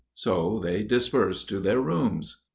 So they dispersed to their rooms.